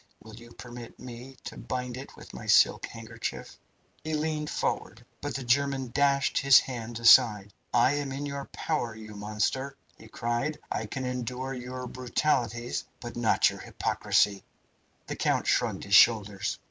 Will you permit me to bind it with my silk handkerchief?" He leaned forward, but the German dashed his hand aside. "I am in your power, you monster!" he cried; "I can endure your brutalities, but not your hypocrisy." The count shrugged his shoulders.